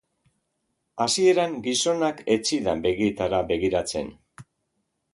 Hasieran, gizonak ez zidan begietara begiratzen.